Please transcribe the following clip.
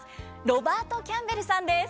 ロバート・キャンベルさんです。